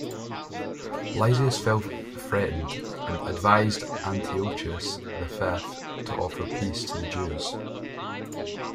Lysias felt threatened, and advised Antiochus the Fifth to offer peace to the Jews.